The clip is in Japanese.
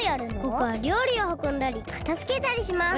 ぼくはりょうりをはこんだりかたづけたりします。